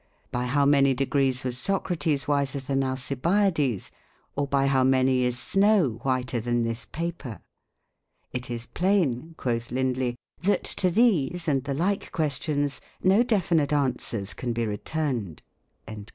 By how many degrees was Socrates wiser than Alei biades? or by how many is snow whiter than this paper? It is plain," quoth Lindley, "that to these and the like questions no definite answers can be re turned."